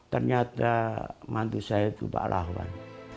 ternyata mantu saya itu pak rahwan